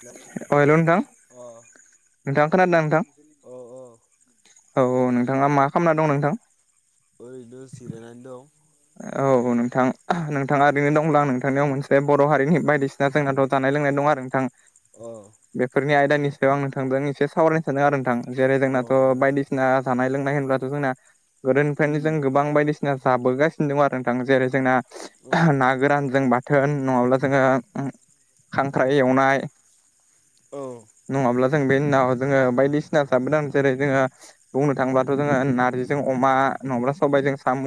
Hello अ hello नोंथां अ नोंथां खोनादोंना नोंथां। औ औ। औ औ नोंथाङा मा खालामना दं नोंथां? ओरैनो जिरायनानै दं औ नोंथां नोंथाङा ओरैनो दंब्लां नोंथांनियाव मोनसे बर' हारिनि बायदिसि ना जोंनाथ' जानाय लोंनाय दं आरो नोंथां अ बेफोरनि आयदानि सायाव आं नोंथांजों एसे सावरायनो सानदों आरो नोंथां जेरै अ औ जोंनाथ' बायदि सिना जानाय लोंनाय होनब्लाथ' जोंना गोदोनिफ्रायनो जों गोबां बायदिसिना जाबोगास सिनो दं आरो नोंथां जेरै जोंना ना गोरानजों बा थोन नङाब्ला जोङो खांख्राइ एवनाय औ नङाब्ला जों बेनि उनाव जोङो बायदिसिना जाबोदों जेरै जोङो बुंनो थाङोबथ' जोङो नार्जिजों अमा नङाब्ला सबायजों साम'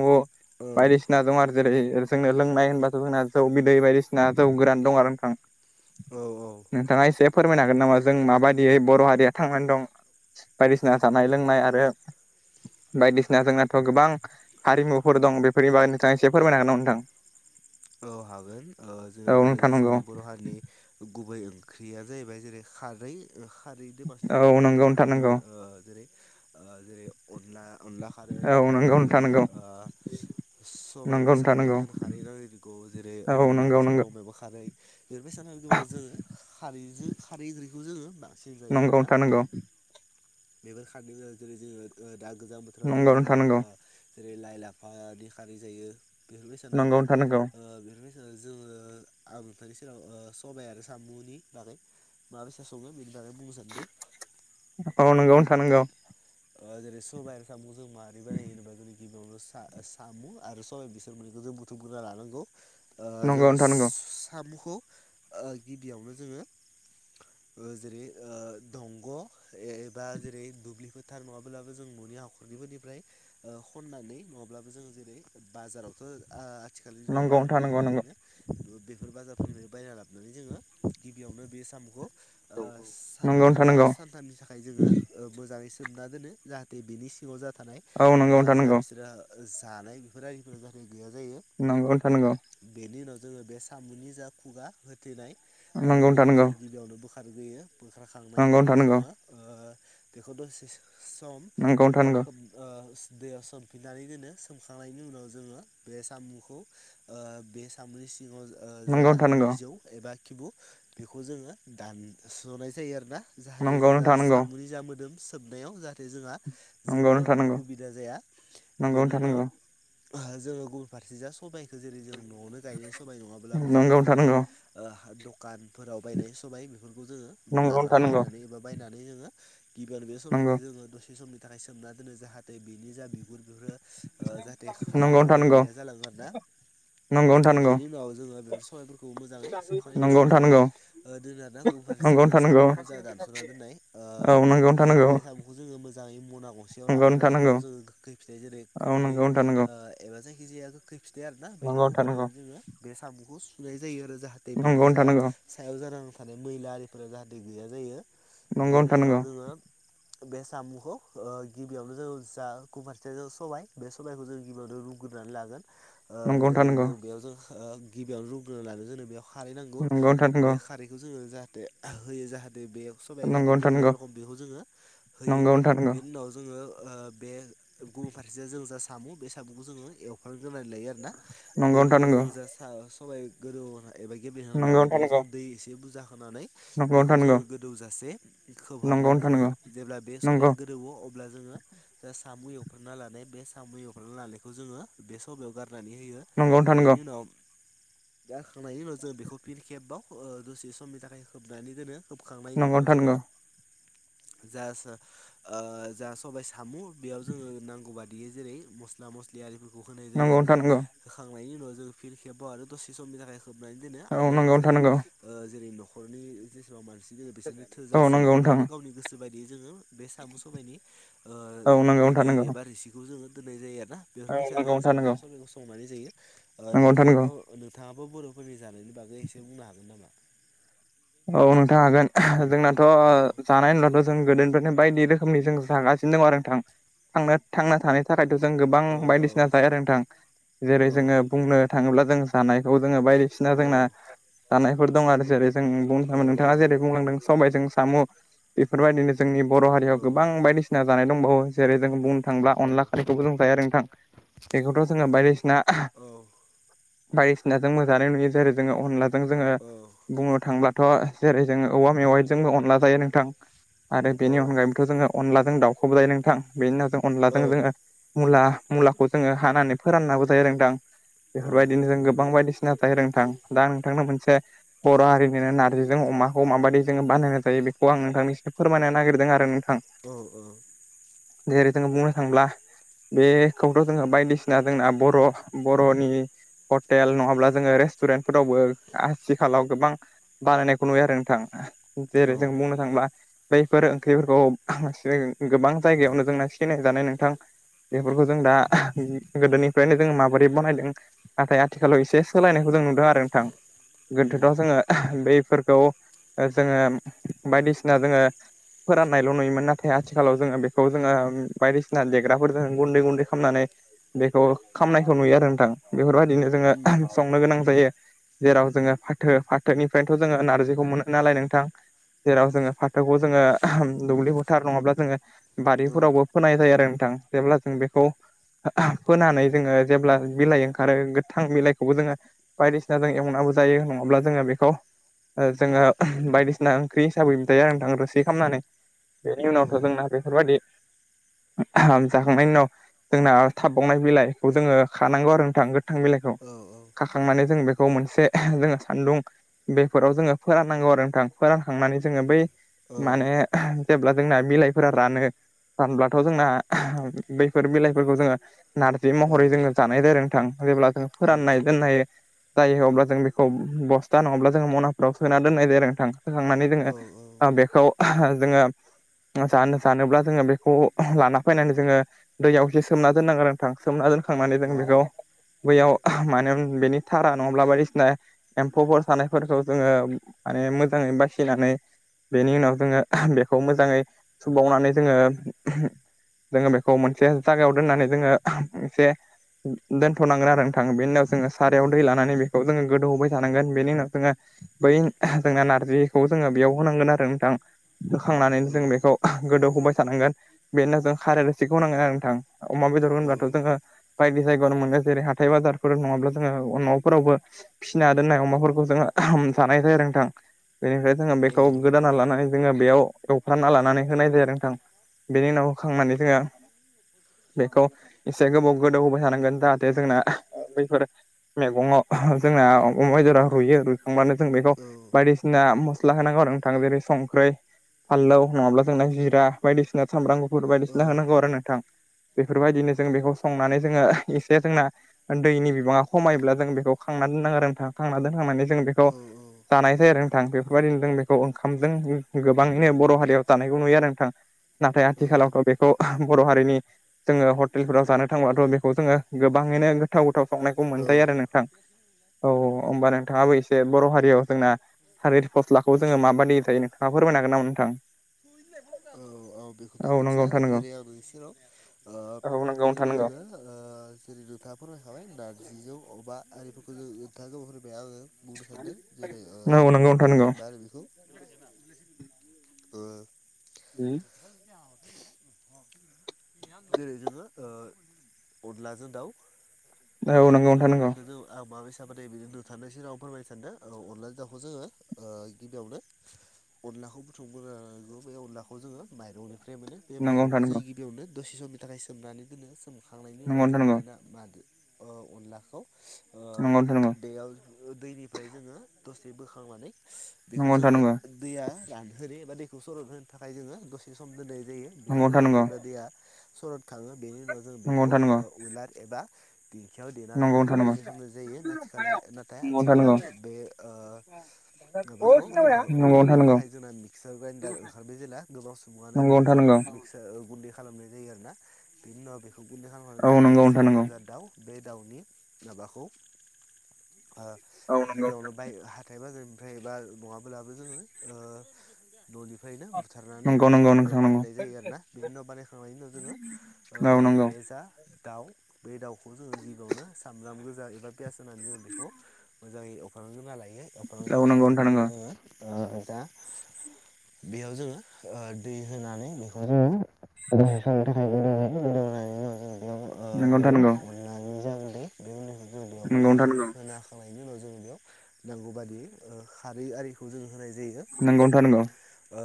बायदिसिना ना दं आरो जेरै जोंनो लोंनाय होनबाथ' जोंना जौ बिदै बायदिसिना जौ गोरान दं आरो नोंथां। औ औ नोंथाङा एसे फोरमायनो हागोन नामा जों माबादियै बर' हारिया थांनानै दं। बायदिसिना जानाय लोंनाय आरो बायदिसिना जोंनाथ' गोबां हारिमुफोर दं बे फोरनिबा नोंथाङा एसे फोरमायना हागोन नामा नोंथां औ हागोन ओ जोङो औ जेरै नोंथां नंगौ जोंनि बर' हारिनि गुबै ओंख्रिया जाहैबाय जेरै खारै खारैजों बांसिन जायो औ आरोना नंगौ जेरै नोंथां जोंनो नंगौ जेरै जेरै अनला अनला खारै औ नंगौ जेरै नोंथां नंगौ नंगौ सबायजों नोंथां साम'बो नंगौ जोंना खारै [unintelligible] औ जेरै नंगौ नंगौ नारजि [unintelligible] बा खारै बेफोरबायसा [unintelligible] जोङो खारैजों खारै ओंख्रिखौ जोङो सिनजायो आरोना नोंथां नंगौ बेफोर [unintelligible] उनाव जेरै जोङो दा गोजाम बोथोराव जेरै नंगौ नोंथां जोङो नंगौ जेरै लाइ लाफानि खारै जायो बेफोरबायसानो आरोना नंगौनो थानांगौ बेफोरबायसानो जोङो आं नोंथांनि सेराव सबाइ आरो साम'नि बागै माबायसा सङो बेनि बागै बुंनो सानदों। औ नंगौ नोंथा नोंगौ। जेरै सबाइ साम'जों मारै बानायो होनोबा [unintelligible] गिबियावनो सा-सामु आरो सबाय बिसोर मोननैखौ जों बुथुमगोरना लानांगौ। जों नंगौनो थानांगौ साम'खौ गिबियावनो जोङो जेरै दंग' एबा जेरै दुब्लिफोर थार नङाब्लाबो जों न'नि हाखरनिबोनिफ्राय खननानै नङाब्लाबो जों जेरै बाजारावथ' आथिखालनि जुगाव नंगौनो बाजारावनो थानांगौ गोबां नंगौ मोनो बेफोर बाजारफोरनिफ्राय बायना लाबानै जोङो गिबियावनो बे साम'खौ साननै नंगौनो बा थानांगौ सानथामनि थाखाय जोङो मोजाङै सो सोमना दोनो जाहाथे बिनि सिङाव जा थानाय औ नंगौनो जा थानांगौ बिसोरा जानाय बेफोरा एफोरबायदिफोरा गैया जायो नंगौ नोंथा नंगौ बेनि उनाव जोङो बे साम'नि जा खुगा होथेनाय नंगौनो बेखौ जोङो गिबियावनो बोखां ग्रोयो बोखार खांनायनि उनाव थानांगौ जोङो बेखौ दसे सम नंगौनो ओ थानांगौ खोब दैयाव सोमफिन्नानै दोनो सोमखांनायनि उनाव जोङो बे साम'खौ बे साम'नि सिङाव जा नंगौनो थानांगौ बिजौ एबा खिबु बेखौ जोङो दानसनाय जायो आरोना जाहाथे जों नंगौनो जा थानांगौ सामनि जा मोदोम सोबनायाव जाहाथे जोंहा जेबो नंगौनो थानांगौ उखुबिदा जाया नंगौनो बेनि उनाव थानांगौ जोङो गुबुन फारसे जा सबाइखो जेरै जों न'आवनो गायो सबाय नङाब्लाबो जों नंगौनो थानांगौ नंगौनो जेरै नै थानांगौ दखानफोराव बायनाय सबाय बेफोरखौ जोङो नंगौनो लाना थानांगौ बायनानै एबा बायनानै नोङो गिबियावनो बे सबायखौ जोङो दसे समनि नि थाखाय सोमना दोनो जाहाथे बिनि जा बिगुर बिफोरो ओ जाहाथे खारै नंगौनो एबा थानांगौ गैया जालाङो आरोना नंगौ बेनि उनाव जोङो बेफोर सबायफोरखौ मोजाङै सोमखांनायनि उनाव नंगौनो सुनानै थानांगौ ओ दोनो आरोना गुबुन फारसे नंगौनो जों थानांगौ साम'खौ जा दानस'ना दोननाय ओ नंगौनो थानांगौ बे साम'खौ जोङो मोजाङै मना गंसेआव नंगौनो लानानै थानांगौ बेयाव जोङो गोखै फिथाइ जेरै औ खोरदै नंगौनो थानांगौ ओ एबा जायखिजाया गोखै फिथाइ आरो ना बेखौ नंगौनो थानांगौ होफानानै जोङो बे साम'खौ सुनाय जायो आरो जाहा दा औ बिनि नंगौनो जा थानांगौ सायाव जानानै थानाय मैला आरिफोरा जाहाथे गैया जायो नंगौनो थानांगौ नंगौनो थानांगौ नंगौनो बेनि थानांगौ उनाव जोङो बे साम'खौ ओ गिबियावनो जोङो जा गुबुन फारसेया जाबाय सबाइ बे सबाइखौ जों गिबियावनो रु रुग्रोनानै लागोन ओ नंगौनो जेरै थानांगौ जों बेयाव जों ओ गिबियावनो रुग्रोनानै लागोन जोंनो बेयाव खारै नांगौ नंगौनो थानांगौ बे खारैखौ जोङो जाहाथे होयो जाहाथे बे सबाया नंगौ जाहाथे नोंथां गेब्लेनाय नंगौ रखम बेखौ जोङो होयो नंगौ नोंथां बेनि उनाव जोङो ओ बे गुबुन फारसेथिं जा जों सामु बे सामुखो जोङो एवफ्राम ग्रोनानै लायो आरो ना नंगौ बेनि उनाव जों जा सा सबाइ गोदौ होनाय एबा नंगौ गेब्लेहोनानै लादो नोंथां बेयाव जों दै एसे बुरजा होनानै नंगौ नंगौ बेखौ जोङो गोदौजासे खोबहाबनानै नोंथां दोनो नंगौ जेब्ला बे सबाया नंगौ गोद गोदौवो अब्ला जोङो जा साम' एवफ्रामना लानाय बे साम' एवफ्रामना लानायखौ जोङो बे सबायाव गारनानै होयो। नोंथां नंगौ बेनि उनाव जाखांनायनि उनाव जों बेखौ फिन खेबाव दसे समनि थाखाय खोबनानै दोनो। खोबखांनायनि नंगौ उनाव नोंथां जोङो नंगौ जा जा ओ जा सबाय सामु बेयाव जोङो नांगौ बादियै जेरै मस्ला मस्लि आरिफोरखौ होनाय जायो नंगौ आरो ना होखांनायनि उनाव जों फिन खेबाव आरो दसे समनि थाखाय खोबनानै दोनो आरो नंगौ नोंथां जोंनि नंगौ ओ जेरै न'खरनि जेसेबां मानसि दोङो बिसोरनो थोजासे नंगौ नोंथां नङाब्लाबो गावनि गोसो बायदियै जोङो बे सामु सबाइनि ओ नंगौ नंगौ नोंथां बिदै नंगौ एबा रोसिखौ जोङो दोननाय जायो आरोना औ बेफोरबायसानो नंगौ नोंथां नंगौ औ नंगौ नोंथां औ नंगौ नोंथां नंगौ औ नंगौ जों नोंथां सामु नंगौ आरो सबाइखो संनानै जायो ओ नंगौ नोंथां नोंथाङा नंगौ [unintelligible] नोंथाङाबो बर'फोरनि जानायनि बागै एसे बुंनो हागोन नामा? औ नोंथां हागोन [unintelligible] जोंनाथ' औ जानाय होनब्लाथ' जों गोदोनिफ्रायनो बायदि रोखोमनि जों जागासिनो दं आरो नोंथां थांनाय थांना थानो थाखायथ' जों गोबां औ बायदिसिना जायो आरो नोंथां औ जेरै जोङो बुंनो थाङोब्ला जों जानायखौ जोङो बायदिसिना औ जोंना जानायफोर दं आरो जेरै जों बुंनो औ थाङो नोंथाङा औ जेरै बुंलांदों सबायजों सामु बेफोरबायदिनो जोंनि बर' हारियाव गोबां बायदिसिना जानाय दंबावो जेरै जों बुंनो थांब्ला अनला खारैखौबो जों जायो आरो नोंथां बेखौथ' जोङो बायदिसिना [unintelligible] बायदिसिना जोंबो जानाय नुयो जेरै जोङो अनलाजों जोङो बुं थांब्लाथ' जेरै जोङो औवा मेवाइजोंबो अनला जायो नोंथां आरो बेनि अनगायै थ' जोङो अनलाजों दावखौबो जायो नोंथां बेनि उनाव जों अनलाजों जोङो मुला मुलाखौ जोङो हानानै फोराननाबो जायो नोंथां बेफोरबायदिनो जों गोबां बायदिसि [unintelligible] नोंथां दा नोंथांनाव मोनसे बर' हारिनि बिदिनो नारजिजों अमाखौ माबायदि जोङो बानायना जायो बेखौ आं नोंथांनो एसे फोरमायना होनो नागिरदों आरो नों औ औ जेरै जोङो बुंनो थांब्ला बे खौथ' जोङो बायदिसिना जोंना बर' बर'नि हटेल नङाब्ला जोङो रेस्त रेस्तुरेन्तफोरावबो आथिखालाव गोबां बानायनायखौ नुयो आरो नोंथां। जेरै जों बुंनो थाङोबा बैफोर ओंख्रिफोरखौ [unintelligible] जों गोबां जायगायावनो जोंना सिनाय जानाय नोंथां बेफोरखौ जों दा [unintelligible] गोदोनिफ्रायनो जोङो माबोरै बनायदों नाथाय आथिखालाव एसे सोलायनायखौ जों नुदों आरो नोंथां गोदोथ' जोङो [unintelligible] बैफोरखौ जोङो बायदिसिना जोङो फोराननायल' नुयोमोन नाथाय आथिखालाव जोङो बे खौ जोङो बायदिसिना देग्राफोरजों गुन्दै गुन्दै खामनानै बेखौ खामनायखौ नुयो आरो नोंथां बेफोरबायदिनो जोङो संनो गोनां जायो जेराव जोङो फाथो फा थोनिफ्रायथ' जोङो नारजिखौ मोनो नालाय नोंथां। जेराव जोङो फाथोखौ जोङो [unintelligible] दुब्लि फोथार नङाब्ला जोङो बारिफोरावबो फोनाय जायो आरो नोंथां जेब्ला जों बेखौ [unintelligible] फोनानै जोङो जेब्ला बिलाइ ओंखारो गोथां बिलाइखौबो जोङो बायदिसिना जों एवनाबो जायो नङाब्ला जोङो बे खौ जोङो बायदिसिना ओंख्रि हिसाबै जायो आरो दां रोसि खालामनानै, बेनि उनावथ' जोंना बेफोरबायदि आहोम जाखांनायनि उनाव जोंना थाबबावनाय बिलाइखौ जोङो खानांगौ आरो नोंथां, थां बिलाइखौ खाखांनानै जों बेखौ मोनसे जोङो सान्दुं, बेफोराव जोङो फोराननांगौ आरो नोंथां फोरानखांनानै जोङो बै माने जेब्ला जोंना बिलायफोरा रानो फानब्लाथ' [unintelligible] जोंना बैफोर बिलाइफोरखौ जोङो नारजि महरै जोङो जानाय जायो नोंथां जेब्ला जों फोराननाय दोननाय जायो अब्ला जों बेखौ बस्था नङाब्ला जोंङ मनाफ्राव सोना दोननाय जायो नोंथां, सखांनानै जोङो बेखौ जोङो, जानो सानोब्ला जोङो बेखौ लाना फैनानै जोङो, दैयाव हेसोमना दोननांगोन नोंथां सोमना दोनखांनानै जों बेखौ, बैयाव माने बेनि थारा नङाब्ला बायदिसिना एम्फौफोर, थानायफोरखौ जोङो माने मोजाङै बासिनानै बेनि उनाव जोङो बेखौ मोजाङै सुबावनानै जोङो, जोङो बेखौ मोनसे जागायाव दोननानै जोङो मोनसे, दोनथ'नांगोन आरो नोंथां बेनि उनाव जोङो सारायाव दै लानानै बेखौ जोङो गोदौहबाय थानांगोन बेनि उनाव, जोङो बै जोंना नारजिखौ जोङो बेयाव होनांगोन आरो नोंथां होखांनानैनो जों बेखौ गोदौ होबाय थानांगोन बेनो जों खारै रिसिखौ नांगोन आरो नोंथां अमा बेदर होबाथ' जोङो, बायदि जायगायावनो मोनगोन जेरै हाथाय बाजारफोर नङाब्ला जोङो न'फोरावबो फिसिना दोननाय अमाफोरखौ, जोङो जानाय जायो नोंथां बेनिफ्राय जोङो बेखौ गोदाना लानाय जोङो बेयाव एवफ्रानना लानानै होनाय जाया नोंथां बेनि उनाव होखांनानै जोङो बेखौ एसे गोबाव गोदौ होबाय थानांगोन जाहाथे जोंना बैफोर, मैगङाव जोंना अमा बेदरा रुइयो रुइखांबानो जों बेखौ बायदिसि ना मस्ला होनांगौ नोथां जेरै संख्रै, फानलौ नङाब्ला जोंना जिरा बायदिसिना सामब्राम गुफुर बायदिसिना होनांगौ आरो नोंथां, बेफोरबायदिनो जों बेखौ संनानै जोङो एसे जोंना, दैनि बिबाङा खमायोब्ला जों बेखौ खांना दोननांगो आरो नोंथां खांना दोनखांनानै जों बेखौ, जानाय जायो आरो नोंथां बेफोरबायदिनो जों बेखौ ओंखामजों गोबाङैनो बर' हारियाव जानायखौ नुयो आरो नोंथां, नाथाय आथिखालावथ' बे, खौ बर' हारिनि जोङो हटेलफोराव जानो थांब्लाथ' बेखौ जोङो गोबाङैनो गोथाव गोथाव संनायखौ मोनजायो आरो नोंथां औ ओमबा नोंथाङाबो एसे बर' हारियाव जोंना, थालिर फस्लाखौ जोङो माबायदि जायो नोंथाङा फोरमायनो हागोन नामा नोंथां? आं बेखौथ' औ नंगौ मिथिया नोंथां नंगौ जेरै आं नोंनि सेराव औ नंगौ नोंथां जेरै नंगौ जोङो, ओ जेरै नोंथांहा फोरमायखाबाय नार्जिजों अमा आरिफोरखौ जों [unintelligible] होबाय आङो, बुंनो सानदों जेरै ओ नंगौ नंगौ नोंथां नंगौ मा होनो बेखौ ओ, [unintelligible] [unintelligible] जेरै जोङो ओ अनलाजों दाउ, औ नंगौ ओ बेखौ जोङो [unintelligible] [unintelligible] बिनो नुथारनाय सेराव फोरमायनो सानदों औ अनलाजों दाउखौ जोङो गिबियावनो अनलाखौ बुथुमग्रौना लानांगौ बे अनलाखौ जोङो माइरंनिफ्राय मोनो, बे नोंथां माइरंखौ जों नंगौ गिबियावनो दसे समनि थाखाय सोमनानै दोनो सोमखांनायनि नंगौ उनाव जों नोंथां नंगौ बे ना, मादो अ अनलाखौ ओ नंगौ बेयाव, दैनिफ्राय जोङो दसे बोखांनानै बेखौ नोंथां जोङो, नंगौ दैया रानहोनो एबा दैखौ सरद होनो थाखाय जोङो दसे सम दोननाय जायो बेनि नंगौ नोंथां उनाव जेब्ला दैया, सरद खाङो बेनि उनाव जों बेखौ नंगौ ओ उलार एबा दिंखियाव देनानै नंगौ बेखौ नोंथां नंगौ गुन्दै खालामनाय जायो। नाथिखालाय नाथाय नंगौ नोंथां आथिखालाव बे ओ, माबाखौ नंगौ अनलाखौ देनो थाखाय जोंना मिक्सार ग्रिन्डार ओंखारबाय जेला गोबां सुबुङानो नंगौ नोंथां बेजों नंगौ सो गुन्दै खालामनाय जायो आरोना बेनि उनाव बेखौ गुन्दै खालामनानै गफारथिसो जौजा दाउ बे दाउनि माबाखौ ओ गिबियावनो बाय हा हाथाइ बाजारनिफ्राय एबा नङाब्लाबो जोङो ओ न'निफ्रायनो बुथारनानै नंगौ नोंथां नंगौ नोंथां नंगौ नोंथां नंगौ नंगौ नोंथां नंगौ बानायनाय जायो आरो ना बिनि उनाव बानाय [unintelligible] उनाव जोङो ओ औ नंगौ नोंथां नंगौ औ नंगौ नोंथां नंगौ औ नंगौ बे जा दाउ बे दाउखौ जोङो गिबियावनो सामब्राम गोजा एबा पियास होनानै जोङो बेखौ, मोजाङै एवफ्रामगोरना लायो औ नंगौ नोंथां एवफ्रामगोरखांनायनि उनाव जोङो, ओ दा बेयाव जोङो ओ दै होनानै बेखौ जोङो, [unintelligible] [inaudible] नोंगौ नोंथां नोंगौ मोननानै जागोन दे बे उननिखौ जों बेयाव नंगौ होना नोंथां होयो होना खांनायनि उनाव जोङो बेयाव नांगौ बादियै ओ खारै आरि जों होनाय जायो नंगौ ओ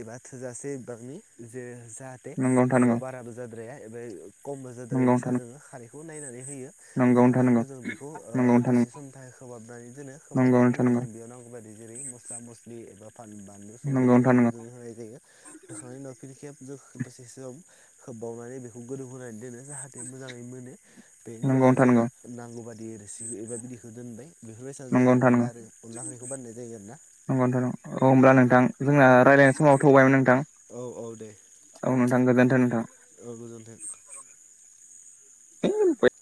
एबा थोजासे बिबांनि जो जाहाथे नंगौ नोंथां बेयाव नंगौ बाराबो जाद्राया एबा खमबो जाद्राया नंगौ नोंथां नंगौ बैसा नोंथां जोङो खारैखौ नायनानै होयो देखांनायनि नंगौ उनाव जों बेखौ ओ नंगौ नोंथां नंगौ नोंथां नंगौ नोंथां नंगौ नोंथां दसे समनि थाखाय खोबहाबनानै दोनो खोबहाबनायनि उनाव जों बेयाव नांगौ बेफोरबायदि जेरै मस्ला मस्लि एबा फान बानलु संख्रि आरिफोरखौ नंगौ जों होनाय जायो बोखांनायनि उनाव फिन खेब जों दसे सम खोबबावनानै बेखौ गोदौ होनानै दोनो जाहाथे मोजाङै मोनो बेनि नंगौ उनाव नोंथां नंगौ जोंना नांगौ बादि रेसिपि एबा बिदिखौ दोनबाय बेफोरबायसा जोङो नोंथां नंगौ अनला आरो अनला ओख्रिखौ बानायनाय जायो आरो ना [unintelligible] औ होमब्ला नोंथां जोंना रायलायनाय समाबो थौबायमोन नों औ औ दे गोजोन्थों नोंथां। औ गोजोन्थों [unintelligible]